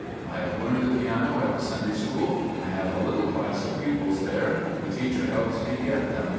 I have learned the piano at the Sunday school. I have a little class of pupils there. The teacher helps me get them.